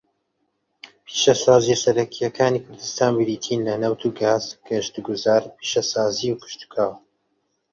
پیشەسازییە سەرەکییەکانی کوردستان بریتین لە نەوت و گاز، گەشتوگوزار، پیشەسازی، و کشتوکاڵ.